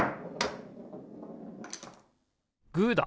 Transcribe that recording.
グーだ！